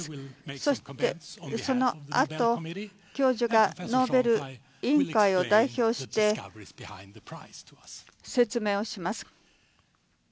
そしてそのあと、教授がノーベル委員会を代表して説明をします。